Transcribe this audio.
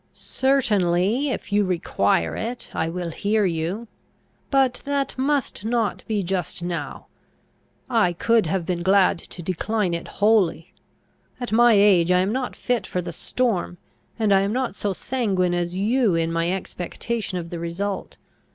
"Certainly, if you require it, I will hear you. But that must not be just now. I could have been glad to decline it wholly. At my age I am not fit for the storm; and I am not so sanguine as you in my expectation of the result.